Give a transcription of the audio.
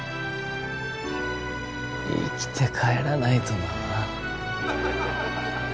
生きて帰らないとな。